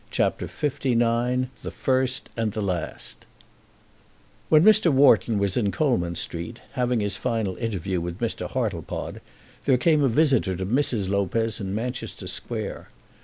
CHAPTER LIX "The First and the Last" When Mr. Wharton was in Coleman Street, having his final interview with Mr. Hartlepod, there came a visitor to Mrs. Lopez in Manchester Square.